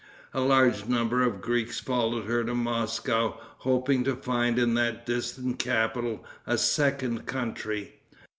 A large number of Greeks followed her to Moscow, hoping to find in that distant capital a second country.